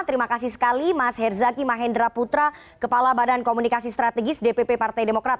terima kasih sekali mas herzaki mahendra putra kepala badan komunikasi strategis dpp partai demokrat